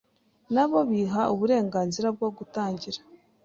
na bo biha uburenganzira bwo gutangira